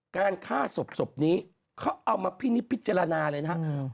การฆ่าศพนี้เขาเอามาพินิษฐพิจารณาเลยนะครับ